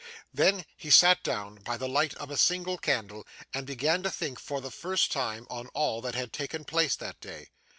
Then, he sat down by the light of a single candle, and began to think, for the first time, on all that had taken place that day.